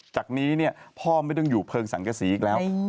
จากนี้พ่อไม่ต้องอยู่เพลิงสังกษีอีกแล้ว